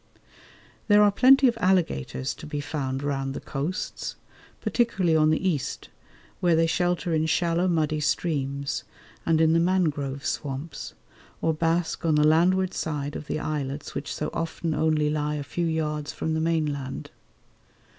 There are plenty of alligators to be found round the coasts, particularly on the east, where they shelter in shallow muddy streams and in the mangrove swamps, or bask on the landward side of the islets which so often only lie a few yards from the mainland.